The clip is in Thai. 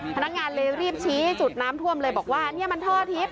พนักงานเลยรีบชี้จุดน้ำท่วมเลยบอกว่าเนี่ยมันท่อทิพย